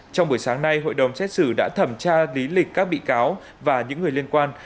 trong buổi sáng nay hội đồng xét xử đã thẩm tra lý lịch các bị cáo và những người liên quan